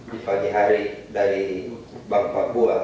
di pagi hari dari bank papua